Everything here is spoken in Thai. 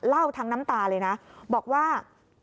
เล่าทั้งน้ำตาเลยนะบอกว่า